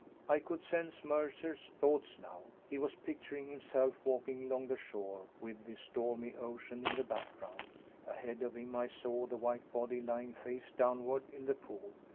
I could sense Mercer's thoughts now. He was picturing himself walking long the shore, with the stormy ocean in the background. Ahead of him I saw the white body lying face downward in the pool.